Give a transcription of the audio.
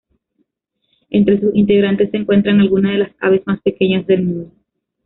Entre sus integrantes se encuentran algunas de las aves más pequeñas del mundo.